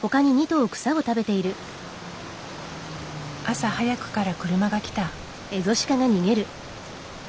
朝早くから車が来た。